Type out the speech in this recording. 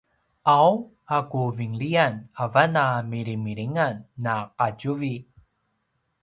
qau a ku vinliyan avan a “milimilingan na qatjuvi”